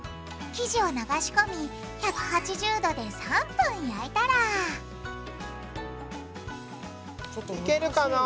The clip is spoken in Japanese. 生地を流し込み１８０度で３分焼いたらいけるかな？